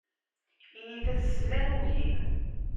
Init-as slan, ugin.